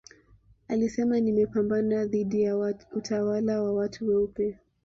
alisema nimepambana dhidi ya utawala wa watu weupe